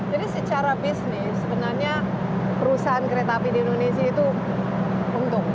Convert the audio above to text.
jadi secara bisnis sebenarnya perusahaan kereta api di indonesia itu untung